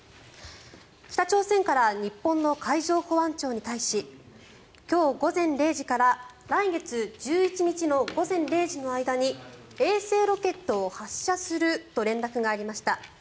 北朝鮮から日本の海上保安庁に対し今日午前０時から来月１１日の午前０時の間に衛星ロケットを発射すると連絡がありました。